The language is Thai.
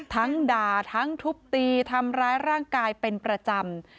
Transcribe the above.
ทั้งด่าทั้งทุบตีทำร้ายร่างกายเป็นประจำ